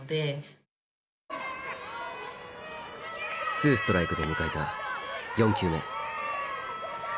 ツーストライクで迎えた４球目。